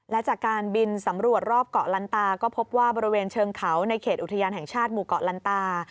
และจากการบินสำรวจรอบเกาะลันตาก็พบว่าบริเวณเชิงเขาในเขตอุทยานแห่งชาติหมู่เกาะลันตา